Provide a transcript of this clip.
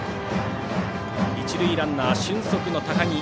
一塁ランナーは俊足の高木。